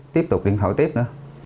tiếp tục điện thoại tiếp nữa